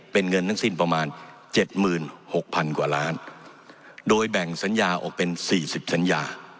เป็นเงินทั้งสิ้นประมาณเจ็ดหมื่นหกพันกว่าล้านโดยแบ่งสัญญาออกเป็นสี่สิบสัญญา